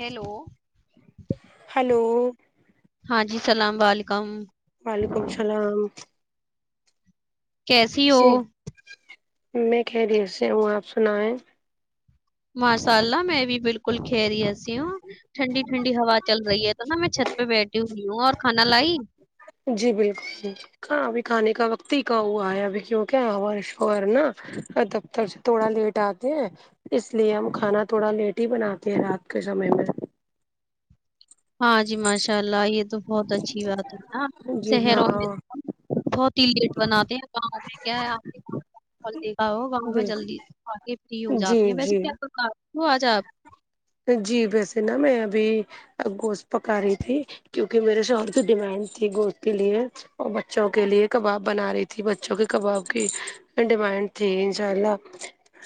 hello hello ہاں جی سلام و علیکم وعلیکم السلام کیسی ہو جی میں خیریت سے ہوں آپ سنا ہے ماشاء اللہ میں بھی بالکل خیریت سے ہوں ٹھنڈی ٹھنڈی ہوا چل رہی ہے تو نا میں چھت پہ بیٹھی ہوئی ہوں اور کھانا لائی جی بالکل جی کہاں ابھی کھانے کا وقت ہی کاا ہوا ہے ابھی کیوں کیا شہور نا دبتر تھوڑا لیٹ آتے ہیں اس لیے ہم کھانا تھوڑا لیٹ ہی بناتے ہیں رات کے سمے میں ہاں جی ماشاء اللہ یہ تو بہت اچھی بات ہے نا جی شہروں ہاں میں بہت ہی لیٹ بناتے ہیں گاؤں میں کیا ہے آپ کے گا گاؤں میں بالکل جلدی آ کے فری ہو جی جاتے ہیں ویسے جی کیاوں آ جائےپ جی ویسے نا میں ابھی گوشت پکا رہی تھی کیونکہ میرے شہر کی ڈیمانڈ تھی گوشت کے لیے اور بچوں کے لیے کباب بنا رہی تھی بچوں کے کباب کی ڈیمائنڈ تٹھیک ان شاء اللہ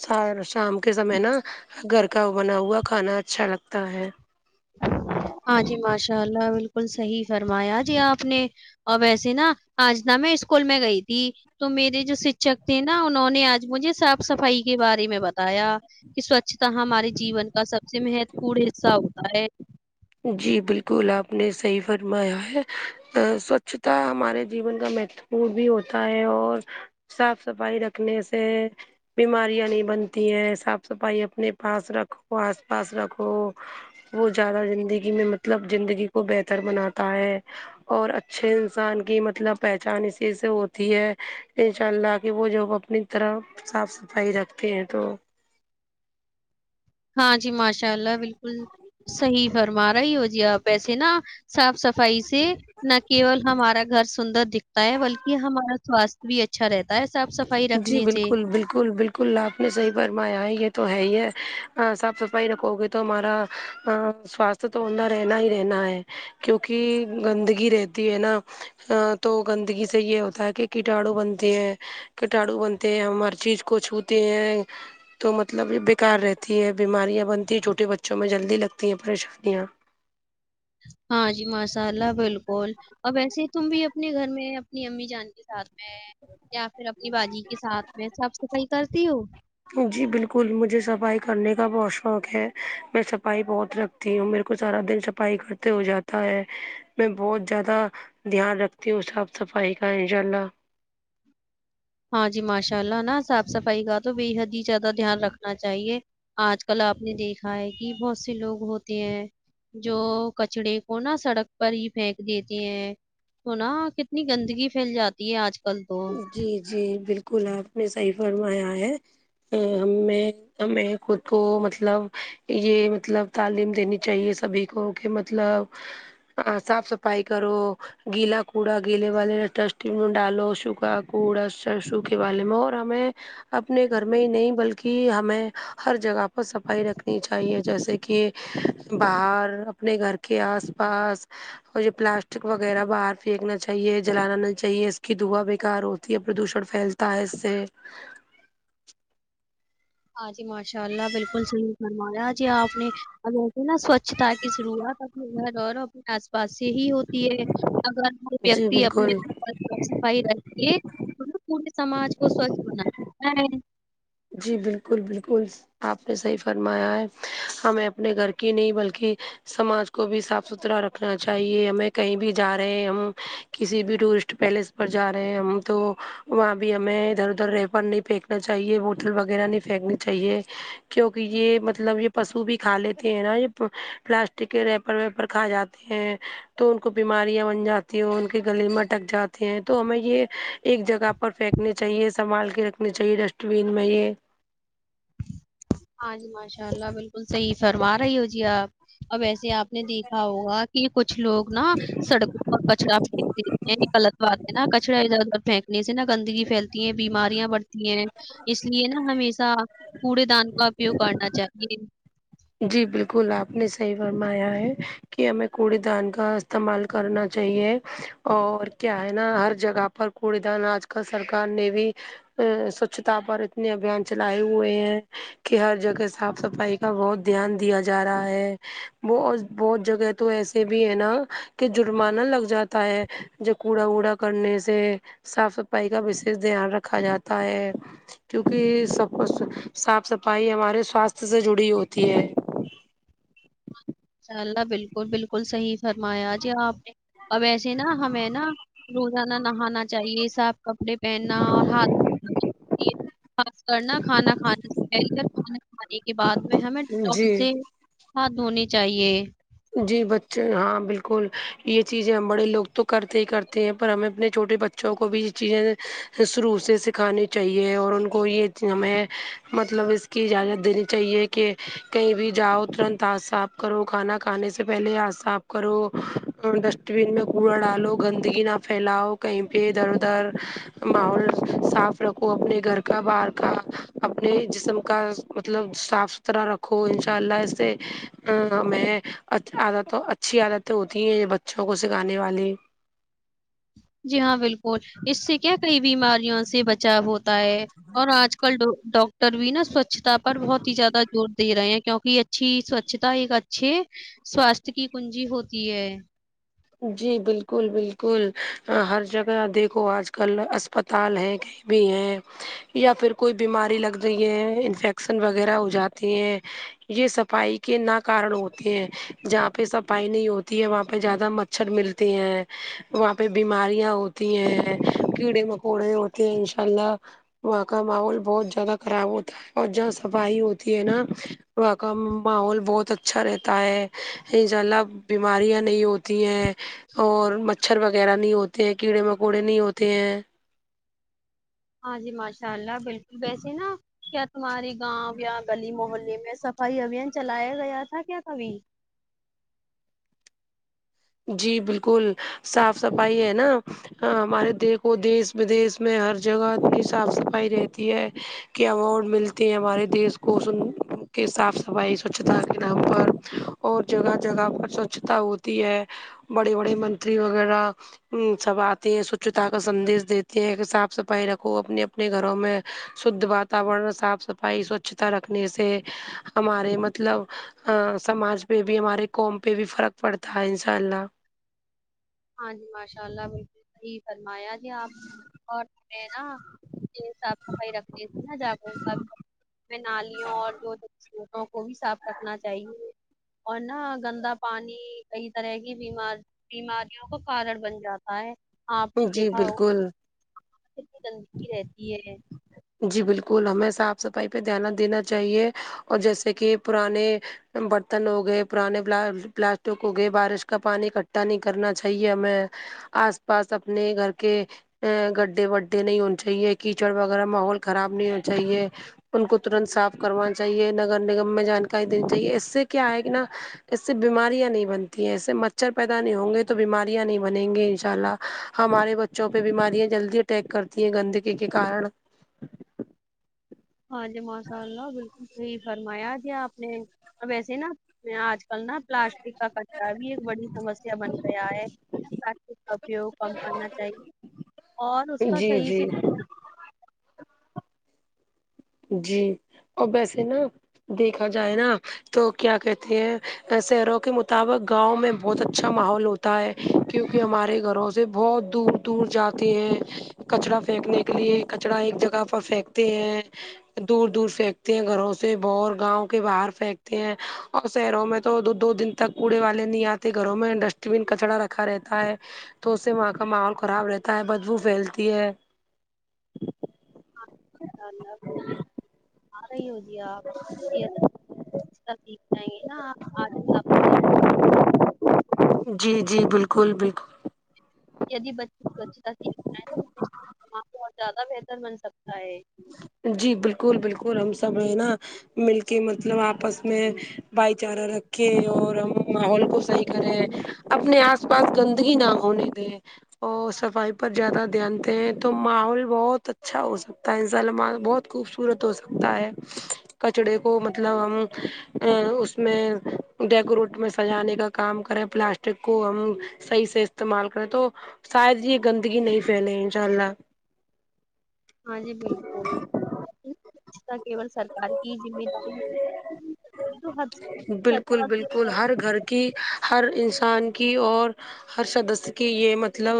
س شام کے سمے نا گھر کا بنا ہوا کھانا اچھا لگتا ہے ہاں جی ماشاء اللہ بالکل صحیح فرمایا جی آپ نے اور ویسے نا آج ن میں اسکول میں گئی تھی تو میرے جو شکشک تھے نا انہوں نے آج مجھے صاف صفائی کے بارے میں بتایا کہ سوچھتا ہمارے جیون کا سب سے مہتو پورن حصہ ہوتا ہے جی بالکل آپ نے صحی فرمایا ہے سوچھتا ہمارے جیون کا مہت بھی ہوتا ہے اور صاف صفائی رکھنے سے بیماریاں نہیں بنتی ہیں صاف صفائی اپنے پاس رکھو آس پاس رکھو وہ زیادہ زندگی میں مطلب زندگی کو بہتر بناتا ہے اور اچھے انسان کی مطلب پہچان اسی سے ہوتی ہے ان شاء اللہ کہ وہ جو وقت اپنی طرح صاف صفائی رکھتے ہیں تو ہاں جی ماشاء اللہ بالکل صحیح فرما رہا ہی ہو جی آپ اییسے نا صاف صفائی سے نہ کیول ہمارا گھر سندر دکھتا ہے بلکہ ہمارا سواستھ بھی اچھا رہتا ہے صاف صفائی جی رکھنے سے بالکل بالکل بالکل کلہ آپ نے صحیح فرمایا ہے یہ تو ہے ہی ہے صاف صفائی رکھو گے تو ہمارا سواستھ تو ہوہ رہنا ہی رہنا ہے کیونکہ گندگی رہتی ہے نا ا تو گندگی سے یہ ہوتا ہے کہ کٹاڑو بنتے ہیں کٹاڑو بنتے ہیں ہم ہر چیز کو چھوتے ہیں تو مطلب یہ بکار رہتی ہے بیماریاں بنتی ہیں چھوٹے بچوں میں جلدی لگتی ہیں پریشانیاں ہاں جی مسالہ بالکل اب ایسے تم بھی اپنے گھر میں اپنی امی جان کے ساتھ میں یا پھر اپنی باجی کے ساتھ میں صاف صفائی کرتی ہوں جی بالکل مجھے صفائی کرنے کا بہت شوق ہے میں صفائی بہت رکھ تی ہوں میرے کو سارا دن صفائی کرتے ہو جاتا ہے میں بہت زیادہ دھیان رکھتی ہو صاف صفائی کا انشاء اللہ ہاں جی ماشاء اللہ نا صاف صفائی کا تو بے حد ہی زیادہ دھیان رکھنا چاہیے آج کل آپ نے دیکھا ہے کہ بہت سے لوگ ہوتے ہیں جو کچڑے کو نا سڑک پر ہی پھینک دیتے ہیں نا کتنی گندگی پھیل جاتی ہے آج کل تو جی جی بالکل آپ نے صحیح فرمایا ہے ہم میں ہمیں خود کو مطلب یہ مطلب تعلیم دینی چاہیے سبھی کو کہ مطلب صاف صفائی کرو گیلا کوڑا گیلے والے ڈسٹ مے ڈالو کوڑا سر سوکھے والے میں اور ہمیں اپنے گھر میں ہی نہیں بلکہ ہمیں ہر جگہ پر صفائی رکھنی چاہیے جیسے کہ باہر اپنے گھر کے آس پاس اور یہ پلاسٹک وغیرہ باہر پھینکنا چاہیے جلانا نہیں چاہیے اس کی دھوا کار ہوتی ہے پردوشن پھیلتا ہے اس سے ہاں جی ماشاء اللہ بالکل صحیح فرمایا جی آپ نے اب وسے نا سوچھتا کی شروعات اپنے گھر اور اپنے آس پاس سے ہی ہوتی ہے اگر ہر جی ویکتی اپنے بالکل اور صاف صفائی رکھے م پورے سماج کو سوچھ بنا جی بالکل بالکل آپ نے صحیح فرمایا ہے ہمیں اپنے گھر کی نہیں بلکہ سماج کو بھی صاف ستھرا رکھنا چاہیے ہمیں کہیں بھی جا رہے ہم کسی بھی ٹورسٹ پیلیس پر جا رہے ہم تو وہاں بھی ہمیں ادھر ادھر رہپن نہیں پھینکنا چاہیے وہ بوتل وغیرہ نہیں پھینکنی چاہیے کیونکہ یہ مطلب یہ پشو بھی کھا لیتے ہیں نا یہ پلاسٹک کے ریپر ویپر کھا جاتا ہیں تو ان کو بیماریاں بن جاتی ہیں ان کے گلے مے اٹک جاتے ہیں تو ہمیں یہ ایک جگہ پر فیک رکھنی چاہیے سنبھال کے رکھنی چاہیے ڈسٹ بین میں یہ ہاں جی ماشاء اللہ بالکل صحیح فرما رہی ہو جی آپ اب ایسے آپ نے دیکھا ہوگا کہ کچھ لوگ نا سڑکوں پر کچڑا پھینک دیتے ہیں یے غلط بات ہے نا کچڑا ادھر ادھر پھینک نے سے نا گندگی پھیلتی ہیں بیماریاں بڑتی ہیں اس لیے نا ہمیشہ کوڑے دان کا اپیوگ کرنا چاہیے جی بالکل آپ نے صحیح فرمایا ہے کہ ہمیں کوڑی دان کا استعمال کرنا چاہیے اور کیا ہے نا ہر جگہ پر کوڑی دان آج کل سرکار نے بھی سوچھتا پر اتنے ابھیان چلائے ہوئے ہیں کہ ہر جگہ صاف صفائی کا بہت دھیان دیا جا رہا ہے ب بہت جگہ تو ایسے بھی ہے نا کہ جرمانہ لگ جاتا ہے جو کوڑا وڑا کرنے سے صاف صفائی کا وشیش دھیان رکھا جاتا ہے کیونکہ صاف صفائی ہمارے سواستھ سے جڑی ہوتی ہے انشاء اللہ بالکل بالکل صحیح فرمایا جی آپ نے اب ایسے نا ہمیں نا روزانہ نہانا چاہیے صاف کپڑے پہننا اور ہاتھ دوے خاص کرنا کھانا کھانے سے پہلے اور کھانا کھانے کے بعد میں ہمیں ڈٹول جی سے ہاتھ دھونے چاہیے جی بچے ہاں بالکل یہ چیزیں ہم بڑے لوگ تو کرتے ہی کرتے ہیں پر ہمیں اپنے چھوٹے بچے بچوں کو بھی یہ چیزیں شروع سے سکھانی چاہیے اور ان کو یہ ہمیں مطلب اس اجازت دینی چاہیے کہ کہیں بھی جاؤ ترنت ہاتھ صاف کرو کھانا کھانے سے پہلے ہاتھ صاف کرو ڈسٹ بین میں کوڑا ڈالو گندگی نہ پھیلاؤ کہیں پہ ادھر ادھر ماحول صاف رکھو اپنے گھر کا باہر کا اپنے جسم کا مطلب صاف ستھرا رکھو ان شاء اللہ اس سے میں عادت اچھی عادتیں ہوتی ہیں بچوں کو سکھانے والی جی ہاں بالکل اس سے کیا کئی بیماریوں سے بچاؤ ہوتا تا ہے اور آج کل ڈ ڈاکٹر بھی نا سوچھ اچھتا پر بہت ہی زیاہ زور دے رہے ہیں کیونکہ اچھی سوچھتا ایک اچھے سواستھ کی کنجی ہوتی ہے جی بالکل بالکل ہر جگہ دیکھو آج کل اسپ دال ہے کی بھی ہے یا پھر کوئی بیماری لگ رہی ہے انفیکشن وغیرہ ہو جاتی ہے یہ صفائی کے ن کارن ہوتے ہیں جہاں پہ صفائی نہیں ہوتی ہے وہاں پہ زیادہ م چھر ملتے ہیں وہاں پہ بیماریاں ہوتی ہیں کیڑے مکوڑے ہوتے ان شاء اللہ وہاں کا ماحول بہت زیادہ خراب ہوتا ہے اور جہاں صفائی ہوتی ہے نا وہاں کا ماحول بہت اچھا رہتا ہے ان شاء اللہ بیماریاں نہیں ہوتی ہیں اور مچھر وغیرہ نہیں ہوتے ہیں کیڑے مکوڑے نہیں ہوتے ہیں ہاں جی ماشاء اللہ بالکل وبسے نا کیا تمہاری گاؤں یا گلی محلے میں صفائی ابھیان چلایا گیا تھا کیا کبھی جی بالکل صاف صفائی ہے نا ہمارے دیکھ کو دیس ودیش میں ہر جگہ اتنی صاف صفائی رہتی ہے کے اوارڈ ملتے ہیں ہمارے دیش کو سن کے صاف صفائی سوچھتا کے نام پر اور جگہ جگہ پر سوچھتا ہوتی ہے بڑے بڑے منتری وغیرہ ہ سب آتے ہیں سوچھتا کا سندیش دیتے ہیں کہ صاف صفائی رکھو اپنے اپنے گھروں میں شدھ واتورن صاف صفائی سوچھتا رکھنے سے ہمارے مطلب ہاں سماج پہ بھی ہمارے قوم پہ بھی فرق پڑتا ہے انشاء اللہ ہاں جی ماشاء اللہ بالکل صحیح فرمایا جی آپ اور سہی نا صاف صفائی رکھنے نا جاگو میں نالیوں اور جو دونوں کو ھی صاف رکھنا چاہیے اور نا گندا پانی کئی طرح کی بیمار بیمار کا کارن بن جاتا ہے آپ نے جی دیکھا ہو بالکل اتنی گندگی رہتی ہے جی بالکل ہمیں صاف صفائی پہ دھیان دینا چاہیے اور جیسے کہ پرانے برتن ہو گئے پرانے پلاسٹک ہو گئے بارش کا پانی اکٹھا نہیں کرنا چاہیے ہمیں آس پاس اپنے گھر کے گڈھے وڈے نہیں او انچائی ہیے کیچڑ و اگر ماحول خراب نہیں اچھا ہی ہیے ان کو ترنت صاف کروان چاہیے نگر نگم میں جانکاری دینی چاہیے اس سے کیا ہے کہ نا اس سے بیماریاں نہیں بنتی ہیں اس سے مچھر پیدا نہیں ہوں گے تو بیماریاں نہیں بنیں گے ان شاء اللہ ہمارے بچوں پہ بیماریاں جلدی اٹیک کرتی ہیں گندگی کے کارن ہاں جی ماشاء اللہ بالکل صحیح فرمایا جی آپ نے ا وسے نا میں آج کل نا پلاسٹک کا کچا بھی ایک بڑی سمسیا بن گیا ہے پسٹ [unintelligible] ک کا اپوگ کم کرنا چاہیے اور اس کا جی صحیح سے جی جی اور ویسے نا دیکھا جائے نا تو کیا کہتے ہیں شہروں کے مطابق گاؤں میں بہت اچھا ماحول ہو تا ہے کیونکہ ہمارے گھروں سے بہت دور دور جاتے ہیں کچرا پھینکنے کے لیے کچرا ایک جگہ پر پھینکتے ہیں دور دور پھینکتے ہیں گھروں سے باہر گاؤں کے باہر پھینکتے ہیں اور شہروں میں تو دو دو دن تک کوڑے والے نہیں آتے گھروں میں ڈسٹبین کچڑا رکھا رہتا ہے تو اس سے وہاں کا ماحول خراب رہتا ہے بدبو پھیلتی ہے [unintelligible] آری ہیں جی آپ سھ جیں گے نا اپ آج آپ کے جی جی بالکل بالکل یدی بچوں کو اچھتا سیکھتا ہے تو دماغ کو اور زیادہ بہتر بن سکتا ہے جی بالکل بالکل ہم سب ہے نا مل کے مطلب آپس میں بھائی چارہ رکھے اور ہم ماحول کو صحیح کریں اپنے آس پاس گندگی نہ ہونے دیں اور صفائی پر زیادہ دھیان دیں تو ماحول بہت اچھا ہو سک تزالما بہت خوبصورت ہو سکتا ہے کچڑے کو مطلب ہم ا اس میں ڈیکوریٹ میں سجانے کا کام کریں پلاسٹک کو ہم صحیح صحیح استعمال کریں تو شاید یہ گندگی نہیں پھیلے انشاء اللہ ہاں جی بالکل [inaudible] کیول سرکار ہی کی ذمہ داری ہے بالکل بالکل ہر گھر کی ہر انسان کی اور ہر سدسیہ کی یہ مطلب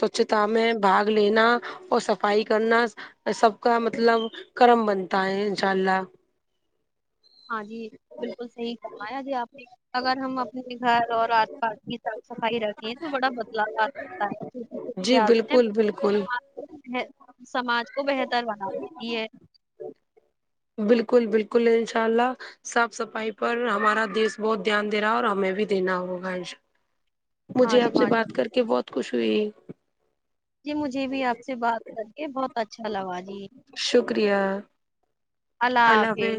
سوچھتا میں باگ لینا اور صفائی کرنا سب کا مطلب کرم بنتا ہے انشاء اللہ ہاں جی بالکل صحیح فرمایا جی آپ نے اگر ہم اپنے گھر اور آس پاس کی صاف صف فائی رکھے تو بڑا بدلاؤ آ سکتا ہے چھوٹی چھوٹی جی عادتیں بالکل بالکل [unintelligible] سماج کو بہتر بنا دیتی ہے بالکل بالکل انشا اللہ صاف صفائی پر ہمارا دیش بہت دھیان دے رہا اور ہمیں بھی دینا ہوگا انشا الله ہاں مجھے جی آپ سے ماشاء بات کر کے بہت خوش ہوئی جی مجھے بھی آپ سے بات کر کے بہت اچھا لگا جی شکریہ اللہ حافظ